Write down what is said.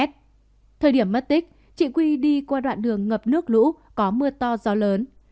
thời điểm mất tích chị quy đi qua đoạn đường ngập nước lũ có mưa to gió lớn